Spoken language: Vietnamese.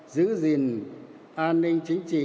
giữ gìn an ninh chính trị